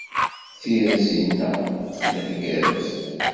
Tirzi-nneɣ tella tgerrez.